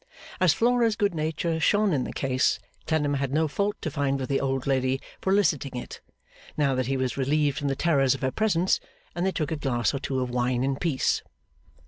As Flora's good nature shone in the case, Clennam had no fault to find with the old lady for eliciting it, now that he was relieved from the terrors of her presence; and they took a glass or two of wine in peace.